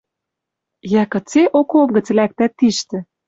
Йӓ, кыце окоп гӹц лӓктӓт тиштӹ?